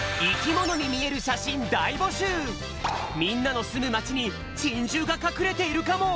みんなのすむまちにちんじゅうがかくれているかも！